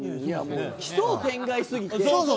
奇想天外すぎて。